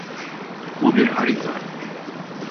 Bu bir harita.